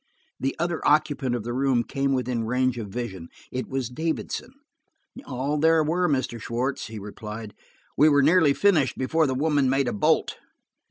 The other occupant of the room came within range of vision. It was Davidson. "All there were, Mr. Schwartz," he replied. "We were nearly finished before the woman made a bolt."